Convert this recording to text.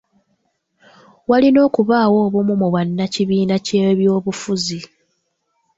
Walina okubaawo obumu mu bannakibiina ky'ebyobufuzi.